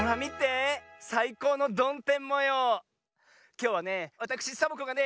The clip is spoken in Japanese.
きょうはねわたくしサボ子がね